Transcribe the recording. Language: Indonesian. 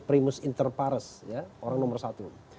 primus inter pares ya orang nomor satu